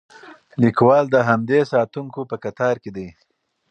لیکوال د همدې ساتونکو په کتار کې دی.